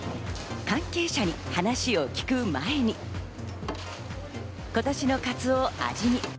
関係者に話を聞く前に、今年のカツオを味見。